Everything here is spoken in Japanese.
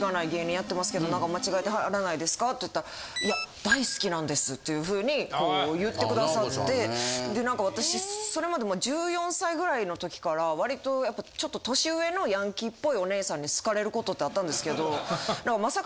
って言ったらいや大好きなんですという風にこう言ってくださってで何か私それまで１４歳ぐらいの時から割とやっぱちょっと年上のヤンキーっぽいお姉さんに好かれることってあったんですけどまさか。